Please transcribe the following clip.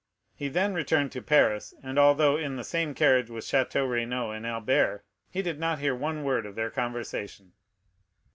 He then returned to Paris, and although in the same carriage with Château Renaud and Albert, he did not hear one word of their conversation.